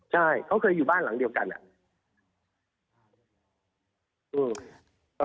ใช่เขาเคยอยู่บ้านหลังเดียวกันอะ